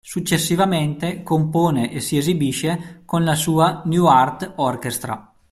Successivamente compone e si esibisce con la sua "New Art Orchestra".